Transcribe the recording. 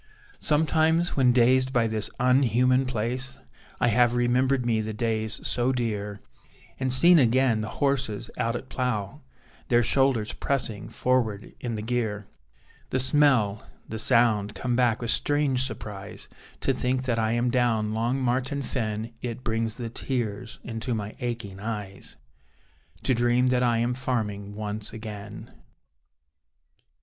Sometimes, when dazed by this un human place I have remembered me the days so dear, And seen again the horses out at plough, Their shoulders pressing forward in the gear: The smell, the sound, come back with strange surprise, To think that I am down Long Martin Fen; It brings the tears into my aching eyes, To dream that I am farming once again.